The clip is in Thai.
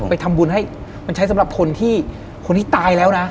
ไปทำบุญให้มันใช้สำหรับคนที่คนที่ตายแล้วนะ